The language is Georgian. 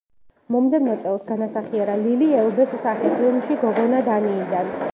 მომდევნო წელს განასახიერა ლილი ელბეს სახე ფილმში „გოგონა დანიიდან“.